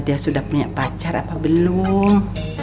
dia sudah punya pacar apa belum